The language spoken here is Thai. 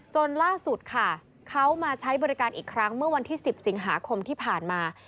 จนล่าสุดค่ะเขามาใช้บริการอีกครั้งเมื่อวันที่๑๐สิงหาคมที่ผ่านมา